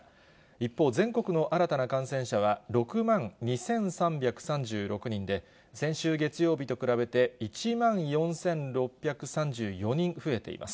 一方、全国の新たな感染者は６万２３３６人で、先週月曜日と比べて、１万４６３４人増えています。